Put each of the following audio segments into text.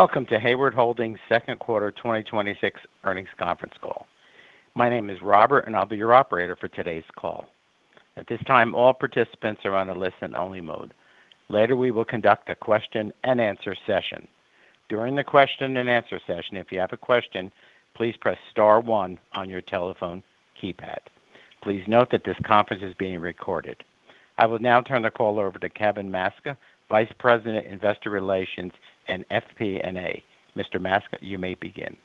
Welcome to Hayward Holdings second quarter 2026 earnings conference call. My name is Robert, I'll be your operator for today's call. At this time, all participants are on a listen-only mode. Later, we will conduct a question and answer session. During the question and answer session, if you have a question, please press star one on your telephone keypad. Please note that this conference is being recorded. I will now turn the call over to Kevin Maczka, Vice President, Investor Relations and FP&A. Mr. Maczka, you may begin.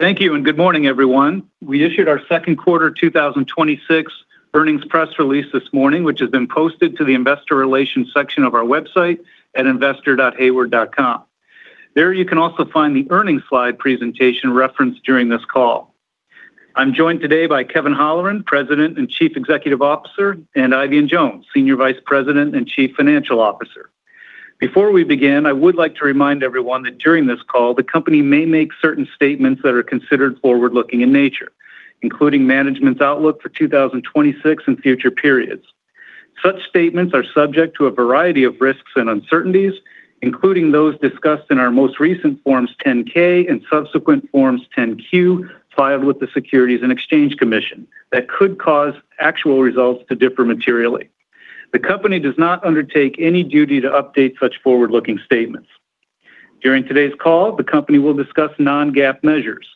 Thank you, good morning, everyone. We issued our second quarter 2026 earnings press release this morning, which has been posted to the investor relations section of our website at investor.hayward.com. There you can also find the earnings slide presentation referenced during this call. I'm joined today by Kevin Holleran, President and Chief Executive Officer, and Eifion Jones, Senior Vice President and Chief Financial Officer. Before we begin, I would like to remind everyone that during this call, the company may make certain statements that are considered forward-looking in nature, including management's outlook for 2026 and future periods. Such statements are subject to a variety of risks and uncertainties, including those discussed in our most recent Forms 10-K and subsequent Forms 10-Q filed with the Securities and Exchange Commission, that could cause actual results to differ materially. The company does not undertake any duty to update such forward-looking statements. During today's call, the company will discuss non-GAAP measures.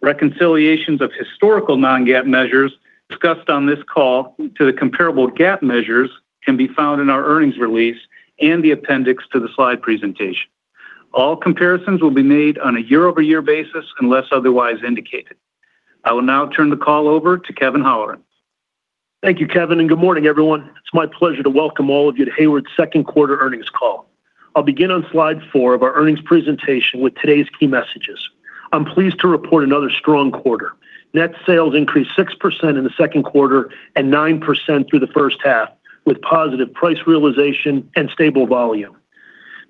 Reconciliations of historical non-GAAP measures discussed on this call to the comparable GAAP measures can be found in our earnings release and the appendix to the slide presentation. All comparisons will be made on a year-over-year basis unless otherwise indicated. I will now turn the call over to Kevin Holleran. Thank you, Kevin, good morning, everyone. It's my pleasure to welcome all of you to Hayward's second quarter earnings call. I'll begin on slide four of our earnings presentation with today's key messages. I'm pleased to report another strong quarter. Net sales increased 6% in the second quarter and 9% through the first half, with positive price realization and stable volume.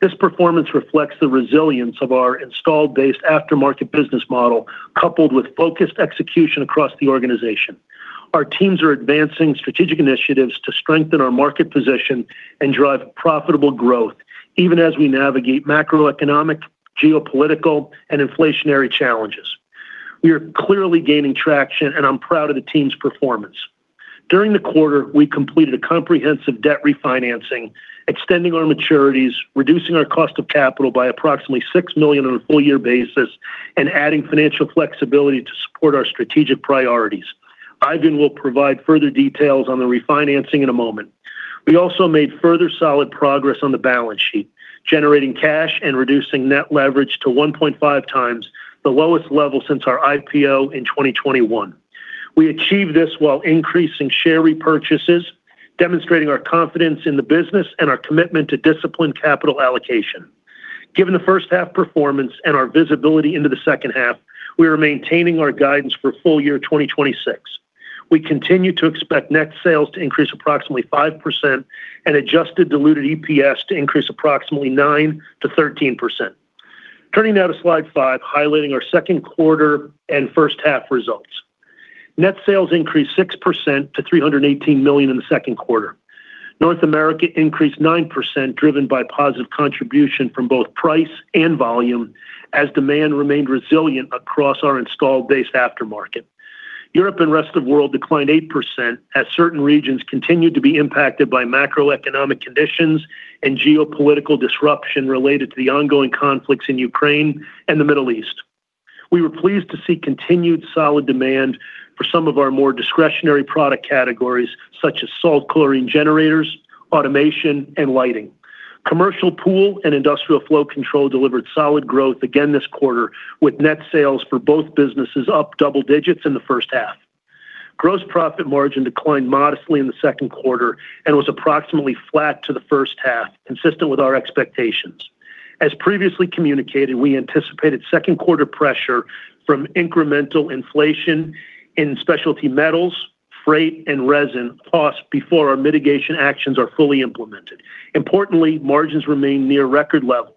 This performance reflects the resilience of our installed base aftermarket business model, coupled with focused execution across the organization. Our teams are advancing strategic initiatives to strengthen our market position and drive profitable growth, even as we navigate macroeconomic, geopolitical, and inflationary challenges. We are clearly gaining traction, I'm proud of the team's performance. During the quarter, we completed a comprehensive debt refinancing, extending our maturities, reducing our cost of capital by approximately $6 million on a full year basis, and adding financial flexibility to support our strategic priorities. Eifion will provide further details on the refinancing in a moment. We also made further solid progress on the balance sheet, generating cash and reducing net leverage to 1.5x, the lowest level since our IPO in 2021. We achieved this while increasing share repurchases, demonstrating our confidence in the business and our commitment to disciplined capital allocation. Given the first half performance and our visibility into the second half, we are maintaining our guidance for full year 2026. We continue to expect net sales to increase approximately 5% and adjusted diluted EPS to increase approximately 9%-13%. Turning now to slide five, highlighting our second quarter and first half results. Net sales increased 6% to $318 million in the second quarter. North America increased 9%, driven by positive contribution from both price and volume as demand remained resilient across our installed base aftermarket. Europe and Rest of World declined 8% as certain regions continued to be impacted by macroeconomic conditions and geopolitical disruption related to the ongoing conflicts in Ukraine and the Middle East. We were pleased to see continued solid demand for some of our more discretionary product categories, such as salt chlorine generators, automation, and lighting. Commercial pool and industrial flow control delivered solid growth again this quarter, with net sales for both businesses up double digits in the first half. Gross profit margin declined modestly in the second quarter and was approximately flat to the first half, consistent with our expectations. As previously communicated, we anticipated second quarter pressure from incremental inflation in specialty metals, freight, and resin costs before our mitigation actions are fully implemented. Importantly, margins remain near record levels.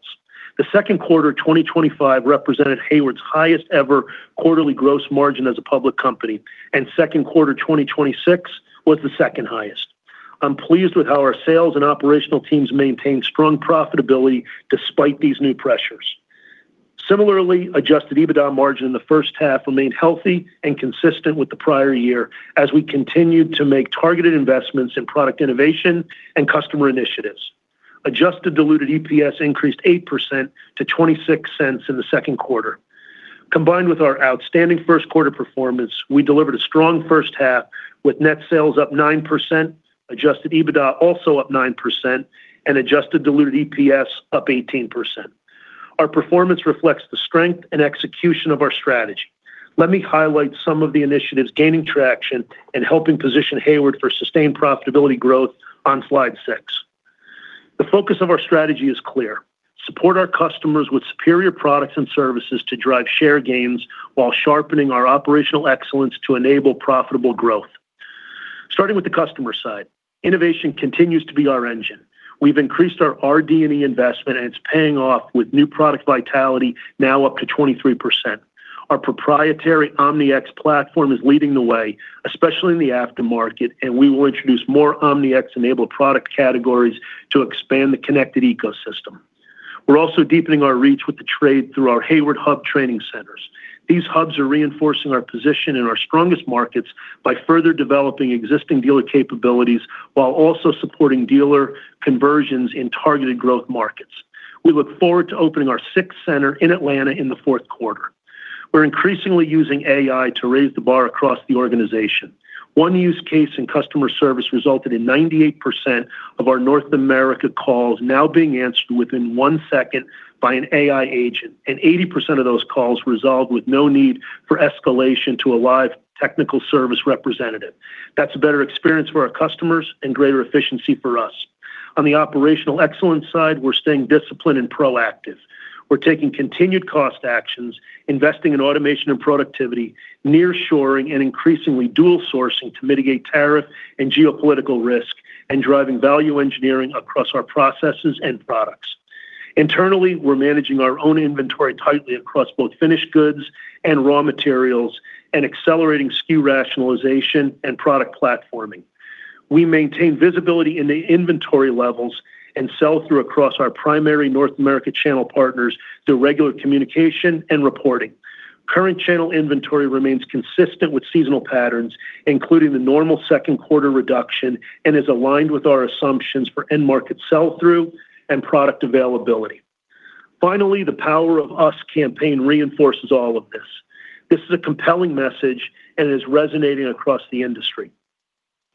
The second quarter 2025 represented Hayward's highest ever quarterly gross margin as a public company, and second quarter 2026 was the second highest. I'm pleased with how our sales and operational teams maintained strong profitability despite these new pressures. Similarly, adjusted EBITDA margin in the first half remained healthy and consistent with the prior year as we continued to make targeted investments in product innovation and customer initiatives. Adjusted diluted EPS increased 8% to $0.26 in the second quarter. Combined with our outstanding first quarter performance, we delivered a strong first half with net sales up 9%, adjusted EBITDA also up 9%, and adjusted diluted EPS up 18%. Our performance reflects the strength and execution of our strategy. Let me highlight some of the initiatives gaining traction and helping position Hayward for sustained profitability growth on slide six. The focus of our strategy is clear: support our customers with superior products and services to drive share gains while sharpening our operational excellence to enable profitable growth. Starting with the customer side, innovation continues to be our engine. We've increased our RD&E investment, and it's paying off with new product vitality now up to 23%. Our proprietary OmniX platform is leading the way, especially in the aftermarket, and we will introduce more OmniX-enabled product categories to expand the connected ecosystem. We're also deepening our reach with the trade through our Hayward Hub training centers. These hubs are reinforcing our position in our strongest markets by further developing existing dealer capabilities, while also supporting dealer conversions in targeted growth markets. We look forward to opening our sixth center in Atlanta in the fourth quarter. We're increasingly using AI to raise the bar across the organization. One use case in customer service resulted in 98% of our North America calls now being answered within one second by an AI agent, and 80% of those calls resolved with no need for escalation to a live technical service representative. That's a better experience for our customers and greater efficiency for us. On the operational excellence side, we're staying disciplined and proactive. We're taking continued cost actions, investing in automation and productivity, nearshoring, increasingly dual sourcing to mitigate tariff and geopolitical risk, and driving value engineering across our processes and products. Internally, we're managing our own inventory tightly across both finished goods and raw materials, and accelerating SKU rationalization and product platforming. We maintain visibility in the inventory levels and sell-through across our primary North America channel partners through regular communication and reporting. Current channel inventory remains consistent with seasonal patterns, including the normal second quarter reduction, and is aligned with our assumptions for end market sell-through and product availability. Finally, the Power of Us campaign reinforces all of this. This is a compelling message and is resonating across the industry.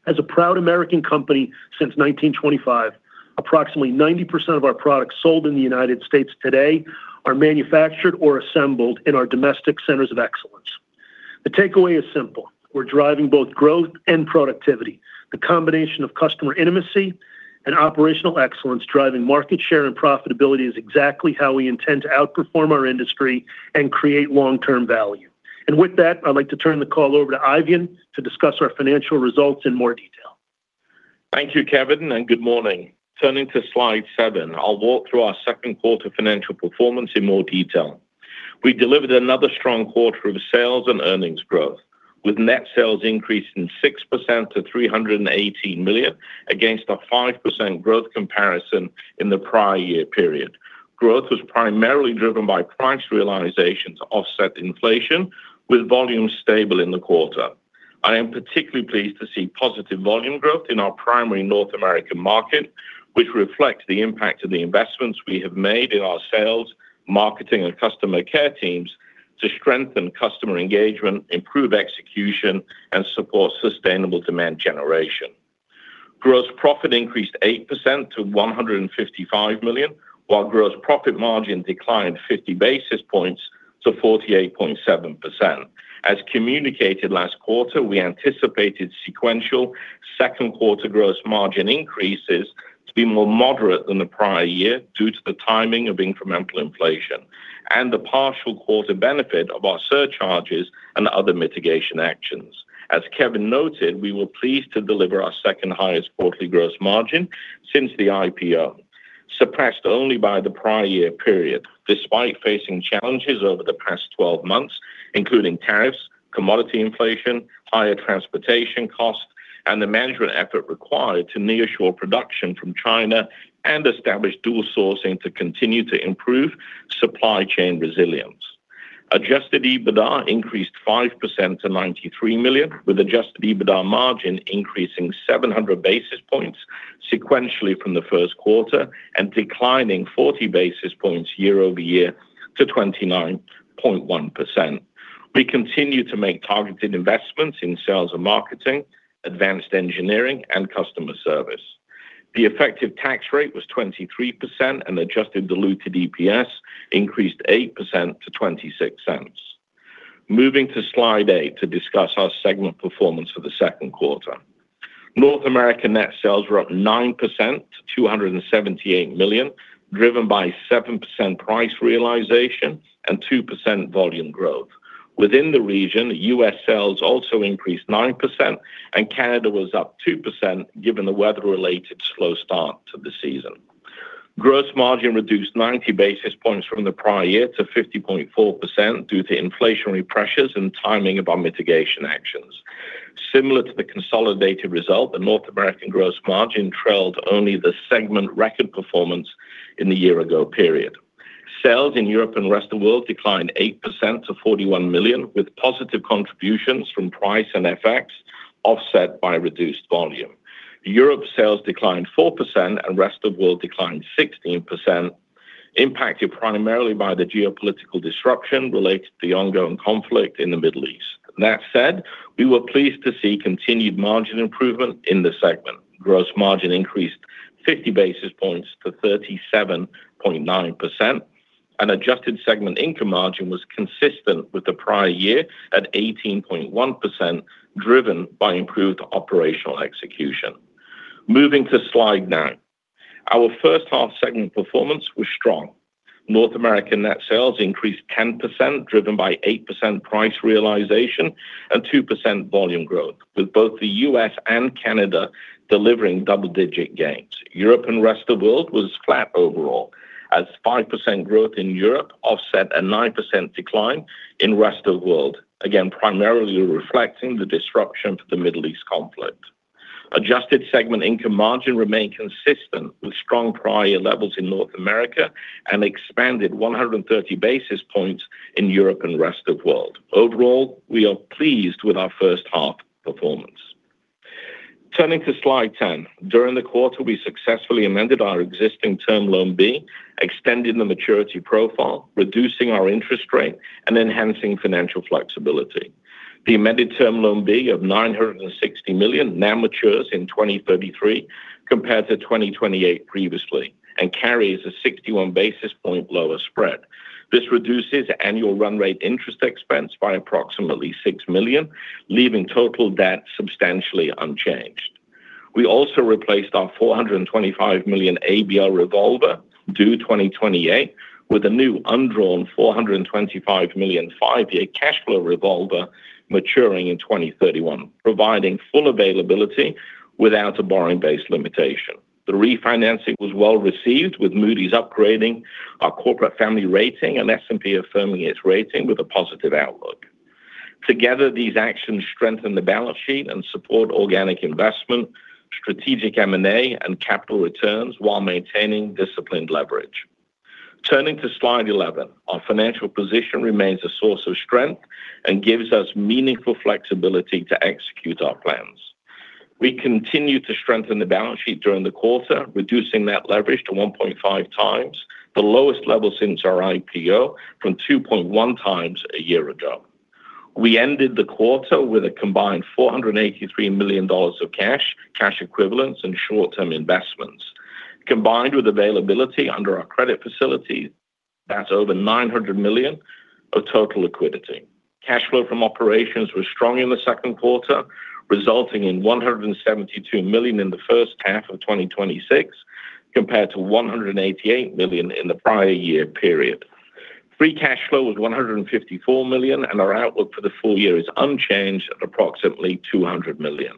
As a proud American company since 1925, approximately 90% of our products sold in the United States today are manufactured or assembled in our domestic centers of excellence. The takeaway is simple. We're driving both growth and productivity. The combination of customer intimacy and operational excellence driving market share and profitability is exactly how we intend to outperform our industry and create long-term value. With that, I'd like to turn the call over to Eifion to discuss our financial results in more detail. Thank you, Kevin. Good morning. Turning to slide seven, I'll walk through our second quarter financial performance in more detail. We delivered another strong quarter of sales and earnings growth, with net sales increasing 6% to $318 million against a 5% growth comparison in the prior year period. Growth was primarily driven by price realizations offset inflation, with volume stable in the quarter. I am particularly pleased to see positive volume growth in our primary North American market, which reflects the impact of the investments we have made in our sales, marketing, and customer care teams to strengthen customer engagement, improve execution, and support sustainable demand generation. Gross profit increased 8% to $155 million, while gross profit margin declined 50 basis points to 48.7%. As communicated last quarter, we anticipated sequential second quarter gross margin increases to be more moderate than the prior year due to the timing of incremental inflation and the partial quarter benefit of our surcharges and other mitigation actions. As Kevin noted, we were pleased to deliver our second highest quarterly gross margin since the IPO, surpassed only by the prior year period, despite facing challenges over the past 12 months, including tariffs, commodity inflation, higher transportation costs, and the management effort required to nearshore production from China and establish dual sourcing to continue to improve supply chain resilience. Adjusted EBITDA increased 5% to $93 million, with adjusted EBITDA margin increasing 700 basis points sequentially from the first quarter and declining 40 basis points year-over-year to 29.1%. We continue to make targeted investments in sales and marketing, advanced engineering, and customer service. The effective tax rate was 23% and adjusted diluted EPS increased 8% to $0.26. Moving to slide eight to discuss our segment performance for the second quarter. North America net sales were up 9% to $278 million, driven by 7% price realization and 2% volume growth. Within the region, U.S. sales also increased 9% and Canada was up 2% given the weather-related slow start to the season. Gross margin reduced 90 basis points from the prior year to 50.4% due to inflationary pressures and timing of our mitigation actions. Similar to the consolidated result, the North American gross margin trailed only the segment record performance in the year ago period. Sales in Europe and Rest of World declined 8% to $41 million, with positive contributions from price and FX offset by reduced volume. Europe sales declined 4% and Rest of World declined 16%, impacted primarily by the geopolitical disruption related to the ongoing conflict in the Middle East. That said, we were pleased to see continued margin improvement in the segment. Gross margin increased 50 basis points to 37.9%, and adjusted segment income margin was consistent with the prior year at 18.1%, driven by improved operational execution. Moving to slide nine. Our first half segment performance was strong. North American net sales increased 10%, driven by 8% price realization and 2% volume growth, with both the U.S. and Canada delivering double-digit gains. Europe and Rest of World was flat overall as 5% growth in Europe offset a 9% decline in Rest of World, again, primarily reflecting the disruption to the Middle East conflict. Adjusted segment income margin remained consistent with strong prior year levels in North America and expanded 130 basis points in Europe and Rest of World. Overall, we are pleased with our first half performance. Turning to slide 10. During the quarter, we successfully amended our existing Term Loan B, extending the maturity profile, reducing our interest rate, and enhancing financial flexibility. The amended Term Loan B of $960 million now matures in 2033 compared to 2028 previously and carries a 61 basis point lower spread. This reduces annual run rate interest expense by approximately $6 million, leaving total debt substantially unchanged. We also replaced our $425 million ABL revolver due 2028 with a new undrawn $425 million five-year cash flow revolver maturing in 2031, providing full availability without a borrowing base limitation. The refinancing was well received with Moody's upgrading our corporate family rating and S&P affirming its rating with a positive outlook. Together, these actions strengthen the balance sheet and support organic investment, strategic M&A, and capital returns while maintaining disciplined leverage. Turning to slide 11. Our financial position remains a source of strength and gives us meaningful flexibility to execute our plans. We continued to strengthen the balance sheet during the quarter, reducing net leverage to 1.5x, the lowest level since our IPO, from 2.1x a year ago. We ended the quarter with a combined $483 million of cash equivalents, and short-term investments. Combined with availability under our credit facilities, that's over $900 million of total liquidity. Cash flow from operations was strong in the second quarter, resulting in $172 million in the first half of 2026 compared to $188 million in the prior year period. Free cash flow was $154 million. Our outlook for the full year is unchanged at approximately $200 million.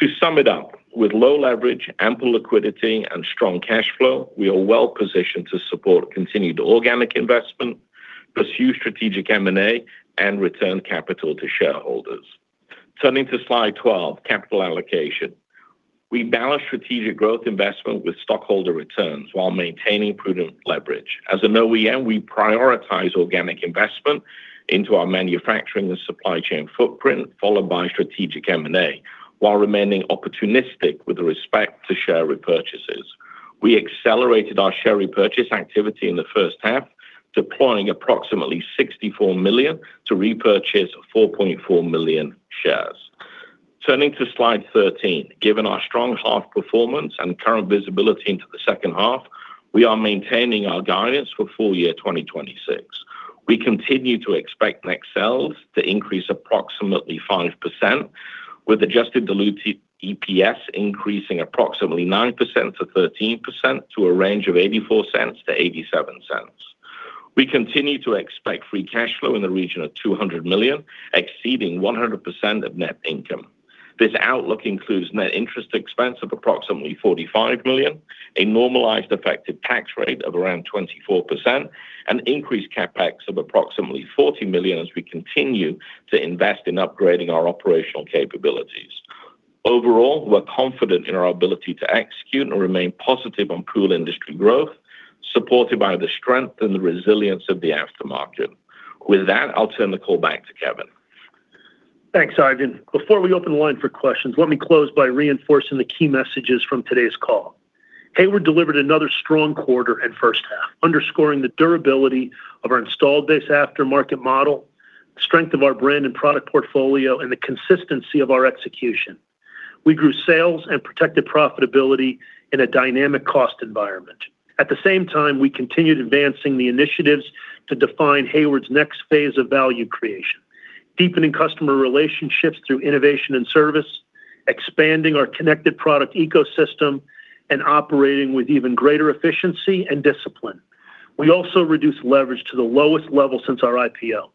To sum it up, with low leverage, ample liquidity, and strong cash flow, we are well positioned to support continued organic investment, pursue strategic M&A, and return capital to shareholders. Turning to slide 12, capital allocation. We balance strategic growth investment with stockholder returns while maintaining prudent leverage. As an OEM, we prioritize organic investment into our manufacturing and supply chain footprint, followed by strategic M&A, while remaining opportunistic with respect to share repurchases. We accelerated our share repurchase activity in the first half, deploying approximately $64 million to repurchase 4.4 million shares. Turning to slide 13. Given our strong half performance and current visibility into the second half, we are maintaining our guidance for full year 2026. We continue to expect net sales to increase approximately 5%, with adjusted diluted EPS increasing approximately 9%-13% to a range of $0.84-$0.87. We continue to expect free cash flow in the region of $200 million, exceeding 100% of net income. This outlook includes net interest expense of approximately $45 million, a normalized effective tax rate of around 24%, and increased CapEx of approximately $40 million as we continue to invest in upgrading our operational capabilities. Overall, we're confident in our ability to execute and remain positive on pool industry growth, supported by the strength and the resilience of the aftermarket. With that, I'll turn the call back to Kevin. Thanks, Eifion. Before we open the line for questions, let me close by reinforcing the key messages from today's call. Hayward delivered another strong quarter and first half, underscoring the durability of our installed base aftermarket model, strength of our brand and product portfolio, and the consistency of our execution. We grew sales and protected profitability in a dynamic cost environment. At the same time, we continued advancing the initiatives to define Hayward's next phase of value creation, deepening customer relationships through innovation and service, expanding our connected product ecosystem, and operating with even greater efficiency and discipline. We also reduced leverage to the lowest level since our IPO,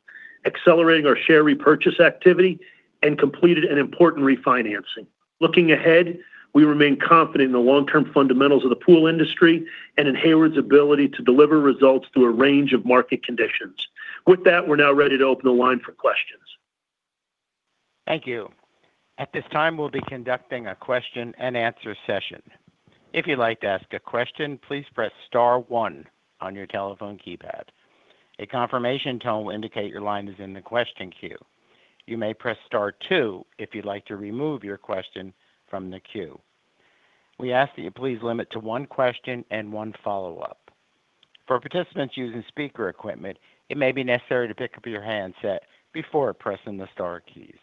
accelerating our share repurchase activity and completed an important refinancing. Looking ahead, we remain confident in the long-term fundamentals of the pool industry and in Hayward's ability to deliver results through a range of market conditions. With that, we're now ready to open the line for questions. Thank you. At this time, we'll be conducting a question and answer session. If you'd like to ask a question, please press star one on your telephone keypad. A confirmation tone will indicate your line is in the question queue. You may press star two if you'd like to remove your question from the queue. We ask that you please limit to one question and one follow-up. For participants using speaker equipment, it may be necessary to pick up your handset before pressing the star keys.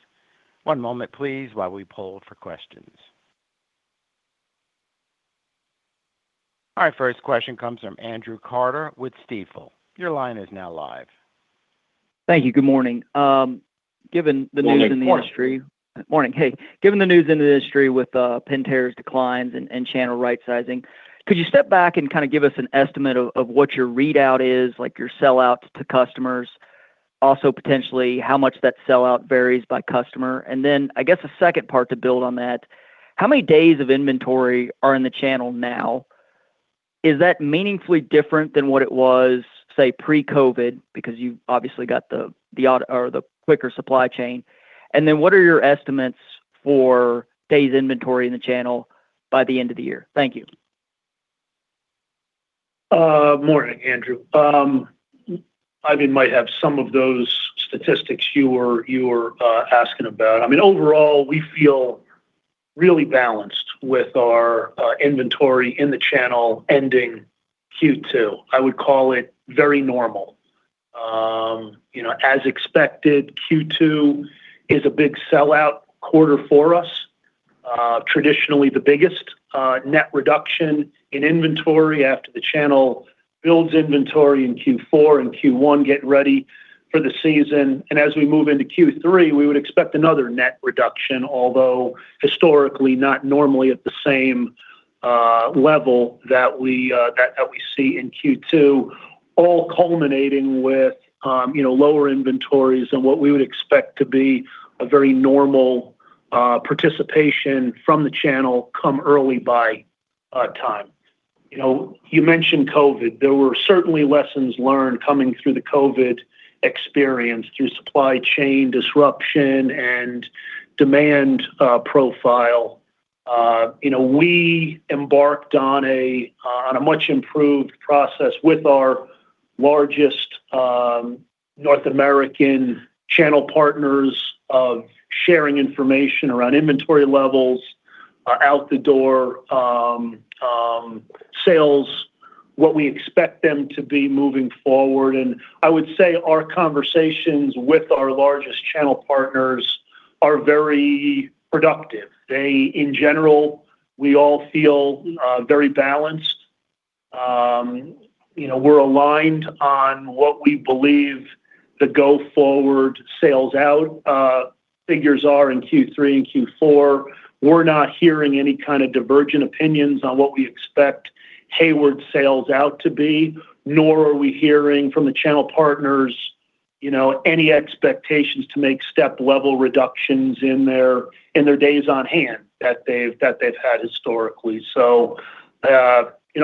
One moment, please, while we poll for questions. Our first question comes from Andrew Carter with Stifel. Your line is now live. Thank you. Good morning. Good morning. Morning. Hey. Given the news in the industry with Pentair's declines and channel rightsizing, could you step back and kind of give us an estimate of what your readout is, like your sell-outs to customers? Also, potentially, how much that sell-out varies by customer. Then I guess the second part to build on that, how many days of inventory are in the channel now? Is that meaningfully different than what it was, say, pre-COVID? Because you've obviously got the quicker supply chain. Then what are your estimates for days inventory in the channel by the end of the year? Thank you. Morning, Andrew. Eifion might have some of those statistics you were asking about. Overall, we feel really balanced with our inventory in the channel ending Q2. I would call it very normal. As expected, Q2 is a big sell-out quarter for us. Traditionally the biggest net reduction in inventory after the channel builds inventory in Q4 and Q1, get ready for the season. As we move into Q3, we would expect another net reduction, although historically not normally at the same level that we see in Q2, all culminating with lower inventories and what we would expect to be a very normal participation from the channel come early by time. You mentioned COVID. There were certainly lessons learned coming through the COVID experience, through supply chain disruption and demand profile. We embarked on a much-improved process with our largest North American channel partners of sharing information around inventory levels, our out-the-door sales, what we expect them to be moving forward. I would say our conversations with our largest channel partners are very productive. In general, we all feel very balanced. We're aligned on what we believe the go forward sales out figures are in Q3 and Q4. We're not hearing any kind of divergent opinions on what we expect Hayward sales out to be, nor are we hearing from the channel partners any expectations to make step level reductions in their days on hand that they've had historically.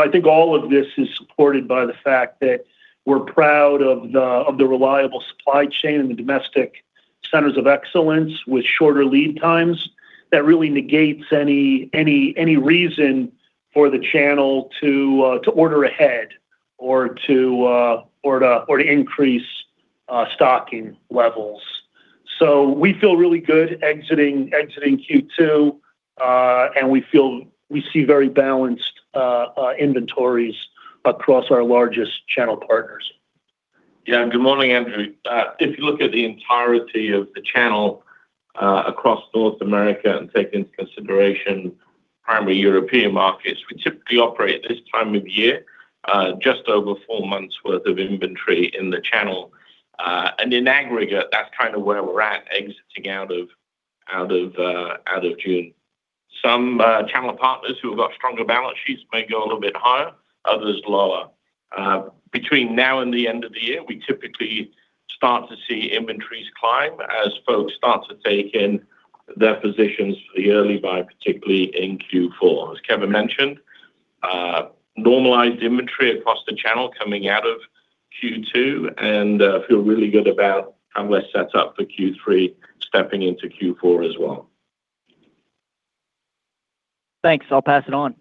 I think all of this is supported by the fact that we're proud of the reliable supply chain and the domestic centers of excellence with shorter lead times that really negates any reason for the channel to order ahead or to increase stocking levels. We feel really good exiting Q2, and we see very balanced inventories across our largest channel partners. Good morning, Andrew. If you look at the entirety of the channel across North America and take into consideration primary European markets, we typically operate at this time of year, just over four months worth of inventory in the channel. In aggregate, that's kind of where we're at exiting out of June. Some channel partners who have got stronger balance sheets may go a little bit higher, others lower. Between now and the end of the year, we typically start to see inventories climb as folks start to take in their positions for the early buy, particularly in Q4. As Kevin mentioned, normalized inventory across the channel coming out of Q2, and feel really good about how we're set up for Q3, stepping into Q4 as well. Thanks. I'll pass it on.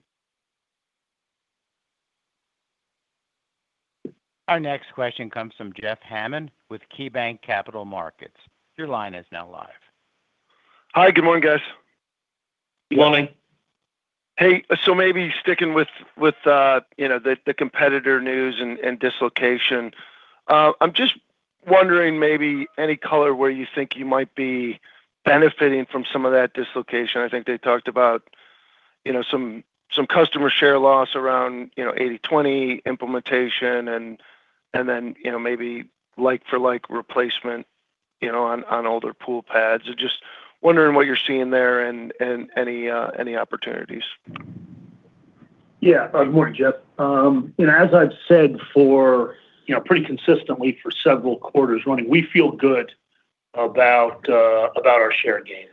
Our next question comes from Jeff Hammond with KeyBanc Capital Markets. Your line is now live. Hi. Good morning, guys. Good morning. Hey. Maybe sticking with the competitor news and dislocation, I'm just wondering maybe any color where you think you might be benefiting from some of that dislocation. I think they talked about some customer share loss around 80/20 implementation and then maybe like-for-like replacement on older pool pads. Just wondering what you're seeing there and any opportunities. Yeah. Good morning, Jeff. As I've said pretty consistently for several quarters running, we feel good about our share gains.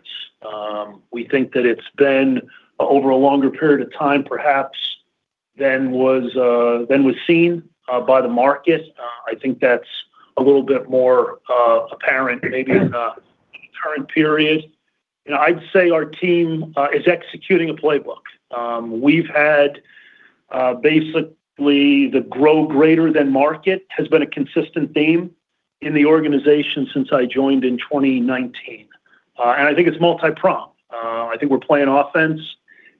We think that it's been over a longer period of time, perhaps, than was seen by the market. I think that's a little bit more apparent maybe in the current period. I'd say our team is executing a playbook. We've had basically the grow greater than market has been a consistent theme in the organization since I joined in 2019. I think it's multi-pronged. I think we're playing offense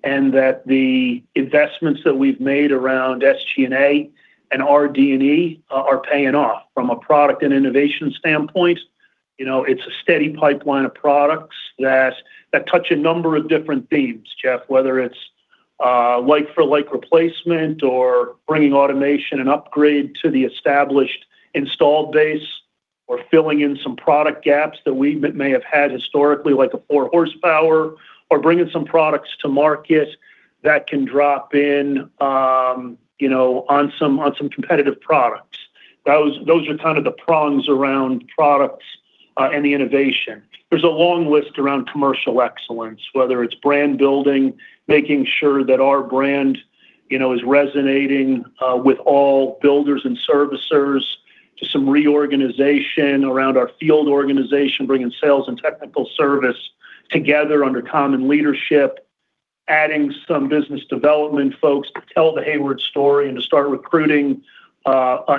and that the investments that we've made around SG&A and RD&E are paying off from a product and innovation standpoint. It's a steady pipeline of products that touch a number of different themes, Jeff, whether it's like-for-like replacement or bringing automation and upgrade to the established installed base, or filling in some product gaps that we may have had historically, like a four horsepower, or bringing some products to market that can drop in on some competitive products. Those are kind of the prongs around products and the innovation. There's a long list around commercial excellence, whether it's brand building, making sure that our brand is resonating with all builders and servicers, to some reorganization around our field organization, bringing sales and technical service together under common leadership, adding some business development folks to tell the Hayward story and to start recruiting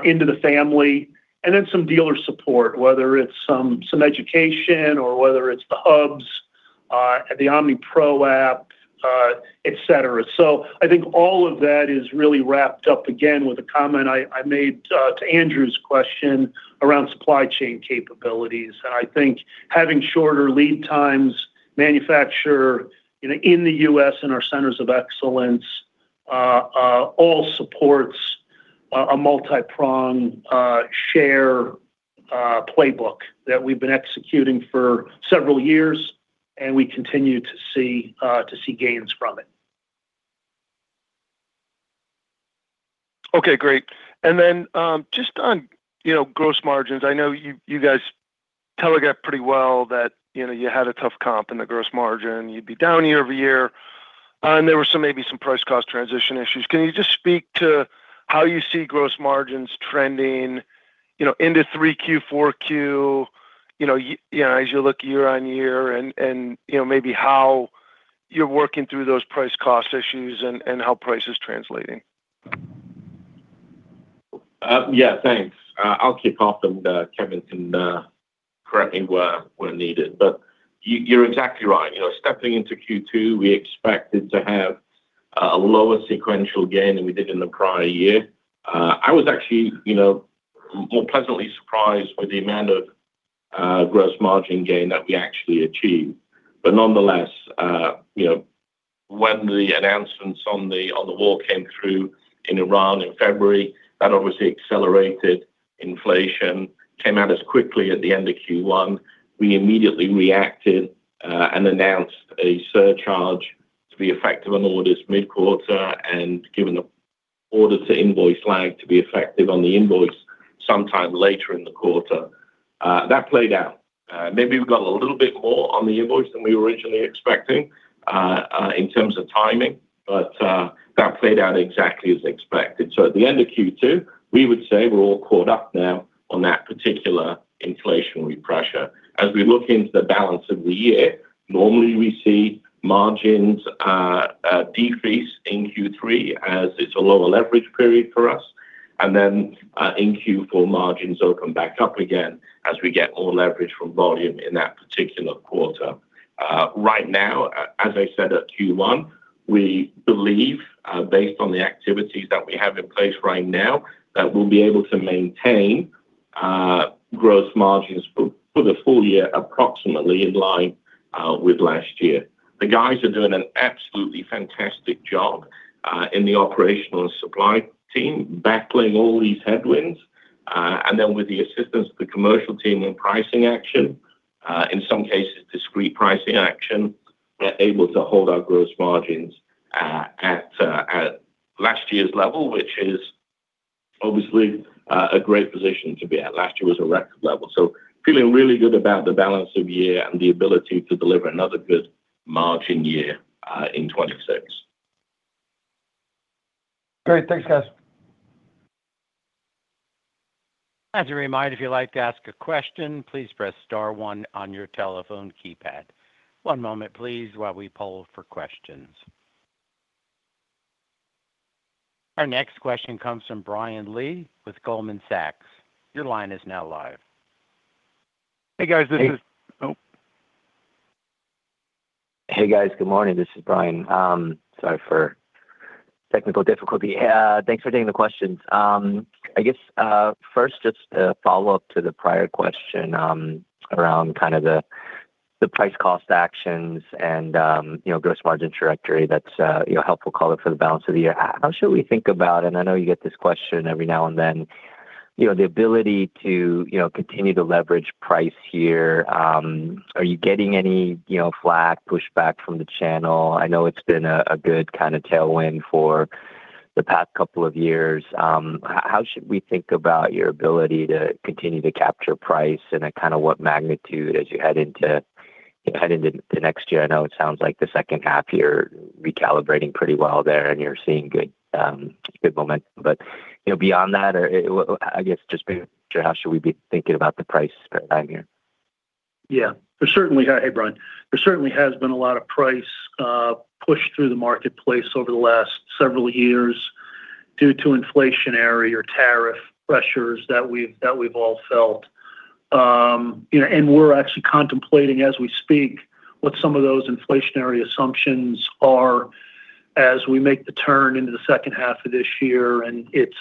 into the family. Then some dealer support, whether it's some education or whether it's the hubs, the OmniPro app, et cetera. I think all of that is really wrapped up, again, with a comment I made to Andrew's question around supply chain capabilities. I think having shorter lead times, manufacture in the U.S. in our centers of excellence, all supports a multi-pronged share playbook that we've been executing for several years, and we continue to see gains from it. Okay, great. Then, just on gross margins, I know you guys telegraphed pretty well that you had a tough comp in the gross margin. You'd be down year-over-year, and there were maybe some price cost transition issues. Can you just speak to how you see gross margins trending into 3Q, 4Q, as you look year-on-year, and maybe how you're working through those price cost issues and how price is translating? Yeah, thanks. I'll kick off and Kevin can correct me where needed. You're exactly right. Stepping into Q2, we expected to have a lower sequential gain than we did in the prior year. I was actually more pleasantly surprised with the amount of gross margin gain that we actually achieved. Nonetheless, when the announcements on the war came through in Iran in February, that obviously accelerated inflation, came out as quickly at the end of Q1. We immediately reacted and announced a surcharge to be effective on orders mid-quarter, and given the order to invoice lag to be effective on the invoice sometime later in the quarter. That played out. Maybe we've got a little bit more on the invoice than we were originally expecting in terms of timing, but that played out exactly as expected. At the end of Q2, we would say we're all caught up now on that particular inflationary pressure. We look into the balance of the year, normally we see margins decrease in Q3 as it's a lower leverage period for us. In Q4, margins will come back up again as we get all leverage from volume in that particular quarter. As I said at Q1, we believe based on the activities that we have in place right now, that we'll be able to maintain gross margins for the full year approximately in line with last year. The guys are doing an absolutely fantastic job in the operational supply team, battling all these headwinds. With the assistance of the commercial team in pricing action, in some cases, discrete pricing action, we're able to hold our gross margins at last year's level, which is obviously a great position to be at. Last year was a record level, feeling really good about the balance of year and the ability to deliver another good margin year in 2026. Great. Thanks, guys. As a reminder, if you'd like to ask a question, please press star one on your telephone keypad. One moment please while we poll for questions. Our next question comes from Brian Lee with Goldman Sachs. Your line is now live. Hey, guys, this is. Hey. Hey, guys. Good morning. This is Brian. Sorry for technical difficulty. Thanks for taking the questions. I guess, first, just a follow-up to the prior question around kind of the price cost actions and gross margin trajectory that's helpful color for the balance of the year. How should we think about, and I know you get this question every now and then, the ability to continue to leverage price here? Are you getting any flak, pushback from the channel? I know it's been a good kind of tailwind for the past couple of years. How should we think about your ability to continue to capture price, and then kind of what magnitude as you head into the next year? I know it sounds like the second half, you're recalibrating pretty well there, and you're seeing good momentum. Beyond that, I guess just being sure, how should we be thinking about the price dynamic? Yeah. Hey, Brian. There certainly has been a lot of price push through the marketplace over the last several years due to inflationary or tariff pressures that we've all felt. We're actually contemplating as we speak, what some of those inflationary assumptions are as we make the turn into the second half of this year, and it's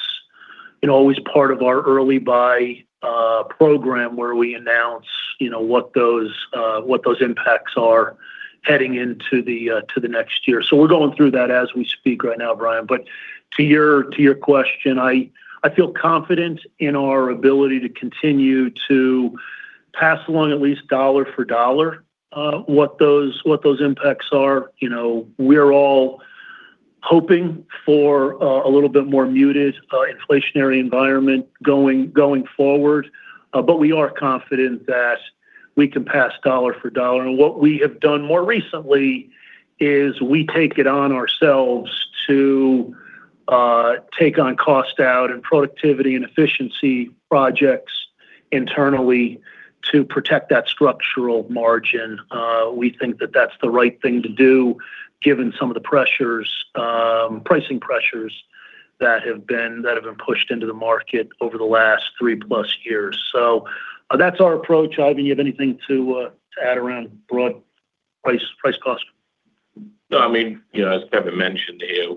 always part of our early buy program where we announce what those impacts are heading into the next year. We're going through that as we speak right now, Brian. To your question, I feel confident in our ability to continue to pass along at least dollar for dollar what those impacts are. We're all hoping for a little bit more muted inflationary environment going forward, but we are confident that we can pass dollar for dollar. What we have done more recently is we take it on ourselves to take on cost out and productivity and efficiency projects internally to protect that structural margin. We think that that's the right thing to do given some of the pricing pressures that have been pushed into the market over the last three-plus years. That's our approach. Eifion, do you have anything to add around broad price cost? As Kevin mentioned here,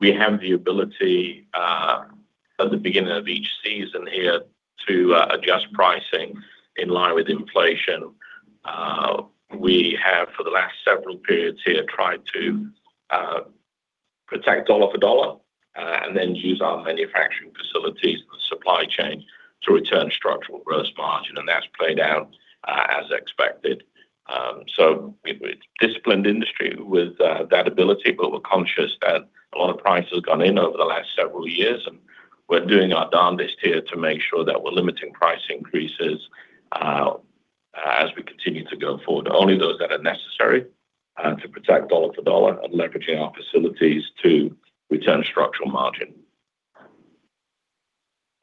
we have the ability, at the beginning of each season here, to adjust pricing in line with inflation. We have, for the last several periods here, tried to protect dollar for dollar, and then use our manufacturing facilities and supply chain to return structural gross margin. That's played out as expected. It's a disciplined industry with that ability, but we're conscious that a lot of price has gone in over the last several years, and we're doing our damnedest here to make sure that we're limiting price increases as we continue to go forward. Only those that are necessary to protect dollar for dollar and leveraging our facilities to return structural margin.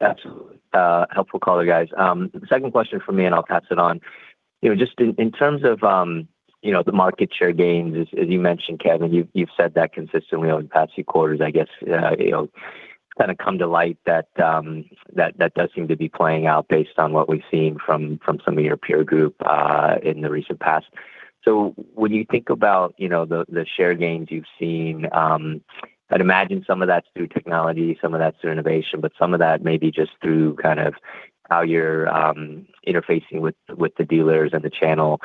Absolutely. Helpful color, guys. The second question from me, and I'll pass it on. In terms of the market share gains, as you mentioned, Kevin, you've said that consistently over the past few quarters. I guess, it'll kind of come to light that that does seem to be playing out based on what we've seen from some of your peer group in the recent past. When you think about the share gains you've seen, I'd imagine some of that's through technology, some of that's through innovation, but some of that may be just through how you're interfacing with the dealers and the channel.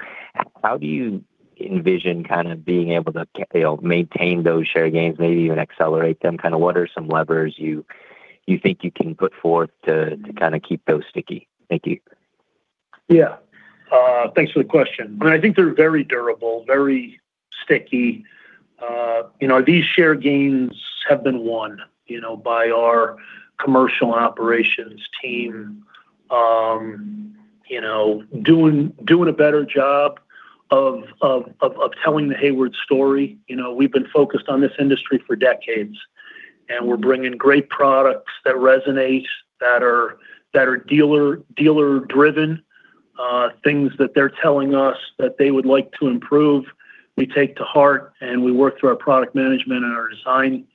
How do you envision being able to maintain those share gains, maybe even accelerate them? What are some levers you think you can put forth to keep those sticky? Thank you. Yeah. Thanks for the question. I think they're very durable, very sticky. These share gains have been won by our commercial operations team doing a better job of telling the Hayward story. We've been focused on this industry for decades, and we're bringing great products that resonate, that are dealer-driven. Things that they're telling us that they would like to improve, we take to heart, and we work through our product management and our design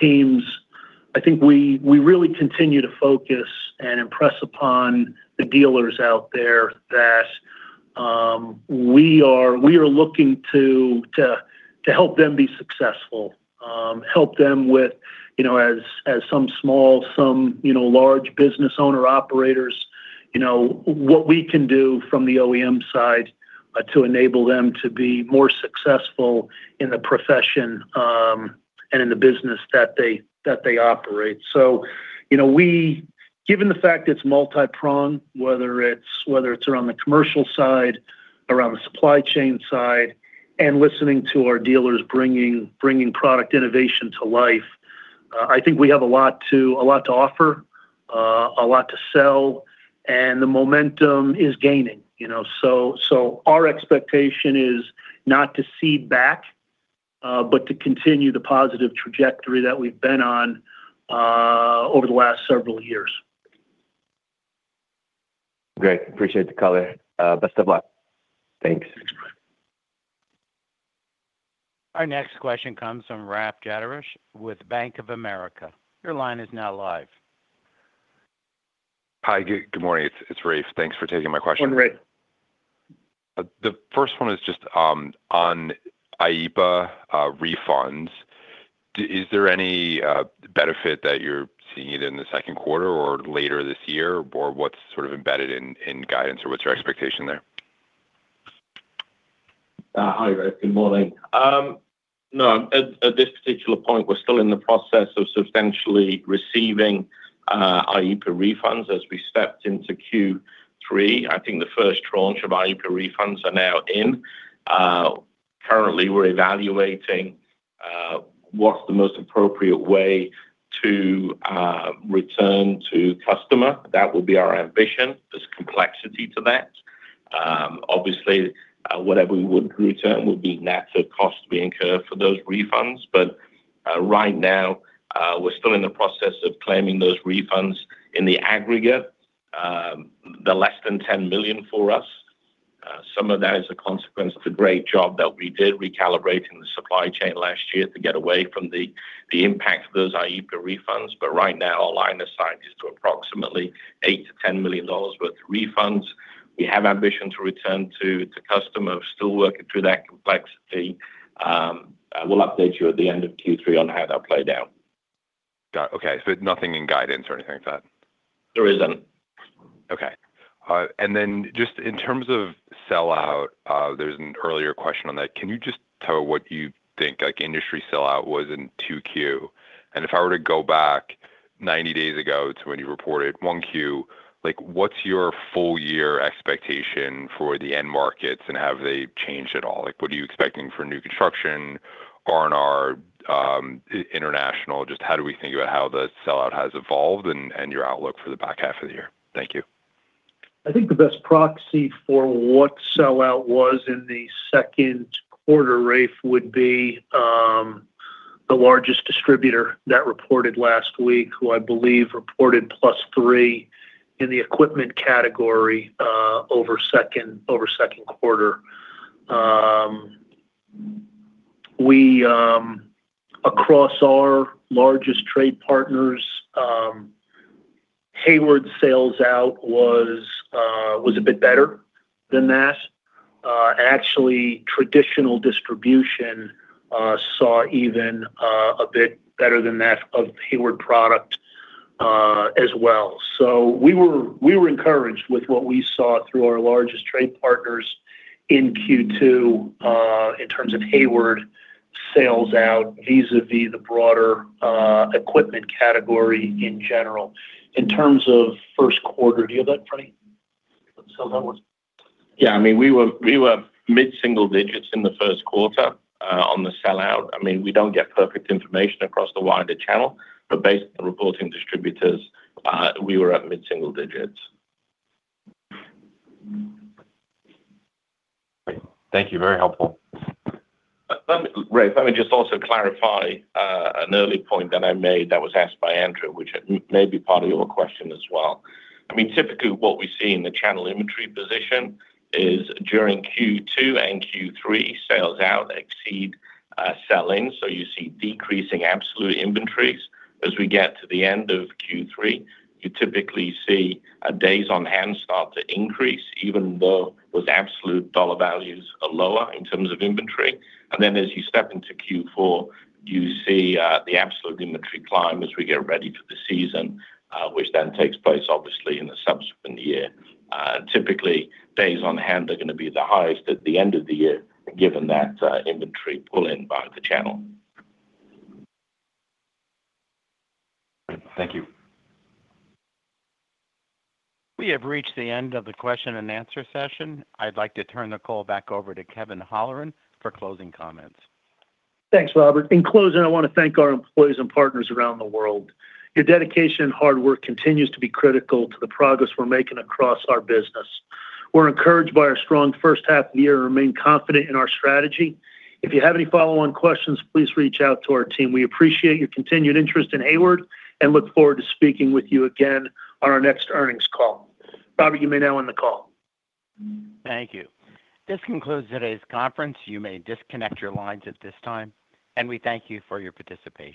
teams. I think we really continue to focus and impress upon the dealers out there that we are looking to help them be successful. Help them with, as some small, some large business owner operators, what we can do from the OEM side to enable them to be more successful in the profession and in the business that they operate. Given the fact it's multi-pronged, whether it's around the commercial side, around the supply chain side, and listening to our dealers bringing product innovation to life, I think we have a lot to offer, a lot to sell, and the momentum is gaining. Our expectation is not to cede back, but to continue the positive trajectory that we've been on over the last several years. Great. Appreciate the color. Best of luck. Thanks. Thanks. Our next question comes from Rafe Jadrosich with Bank of America. Your line is now live. Hi, good morning. It's Rafe. Thanks for taking my question. Morning, Rafe. The first one is just on IEEPA refunds. Is there any benefit that you're seeing it in the second quarter or later this year? Or what's embedded in guidance or what's your expectation there? Hi, Rafe. Good morning. No, at this particular point, we're still in the process of substantially receiving IEEPA refunds as we stepped into Q3. I think the first tranche of IEEPA refunds are now in. Currently, we're evaluating what's the most appropriate way to return to customer. That will be our ambition. There's complexity to that. Obviously, whatever we would return would be net of cost we incur for those refunds. But right now, we're still in the process of claiming those refunds. In the aggregate, they're less than $10 million for us. Some of that is a consequence of the great job that we did recalibrating the supply chain last year to get away from the impact of those IEEPA refunds. But right now, our line of sight is to approximately $8 million-$10 million worth of refunds. We have ambition to return to customer, still working through that complexity. We'll update you at the end of Q3 on how that played out. Got it. Okay, nothing in guidance or anything like that? There isn't. Okay. Just in terms of sell-out, there's an earlier question on that. Can you just tell what you think industry sell-out was in 2Q? If I were to go back 90 days ago to when you reported 1Q, what's your full year expectation for the end markets, and have they changed at all? What are you expecting for new construction, RNR, international? Just how do we think about how the sell-out has evolved and your outlook for the back half of the year? Thank you. I think the best proxy for what sell-out was in the second quarter, Rafe, would be the largest distributor that reported last week, who I believe reported plus three in the equipment category over second quarter. We, across our largest trade partners, Hayward sales out was a bit better than that. Actually, traditional distribution saw even a bit better than that of Hayward product as well. We were encouraged with what we saw through our largest trade partners in Q2 in terms of Hayward sales out vis-a-vis the broader equipment category in general. In terms of first quarter, do you have that, Eifion? The sell-out? Yeah, we were mid-single digits in the first quarter on the sell-out. We don't get perfect information across the wider channel, but based on the reporting distributors, we were at mid-single digits. Great. Thank you. Very helpful. Rafe, let me just also clarify an early point that I made that was asked by Andrew, which may be part of your question as well. Typically, what we see in the channel inventory position is during Q2 and Q3, sales out exceed sell-ins. You see decreasing absolute inventories. As we get to the end of Q3, you typically see days on hand start to increase, even though with absolute dollar values are lower in terms of inventory. As you step into Q4, you see the absolute inventory climb as we get ready for the season, which then takes place obviously in the subsequent year. Typically, days on hand are going to be the highest at the end of the year, given that inventory pull-in by the channel. Thank you. We have reached the end of the question and answer session. I'd like to turn the call back over to Kevin Holleran for closing comments. Thanks, Robert. In closing, I want to thank our employees and partners around the world. Your dedication and hard work continues to be critical to the progress we're making across our business. We're encouraged by our strong first half of the year and remain confident in our strategy. If you have any follow-on questions, please reach out to our team. We appreciate your continued interest in Hayward and look forward to speaking with you again on our next earnings call. Robert, you may now end the call. Thank you. This concludes today's conference. You may disconnect your lines at this time, and we thank you for your participation.